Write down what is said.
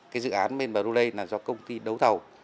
cái dự án bên brunei là do công ty đấu thầu